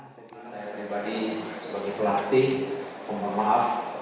saya pribadi sebagai pelatih meminta maaf apa yang terjadi di lapangan dan di luar lapangan tadi